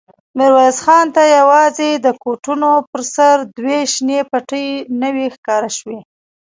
ميرويس خان ته يواځې د کوټونو پر سر دوې شنې پټې نوې ښکاره شوې.